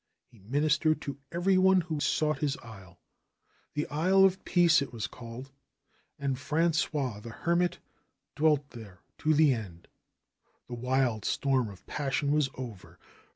He ministered to every one who sought his isle. The Isle of Peace it was called. And Frangois the Hermit dwelt there to the end. The wild storm of passion was over.